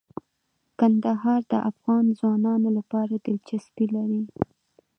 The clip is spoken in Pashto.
کندهار د افغان ځوانانو لپاره دلچسپي لري.